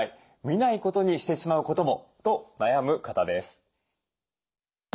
見ないことにしてしまうこともと悩む方です。